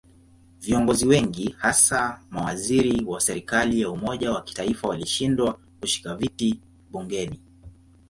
Viongozi wengi hasa mawaziri wa serikali ya umoja wa kitaifa walishindwa kushika viti bungeni.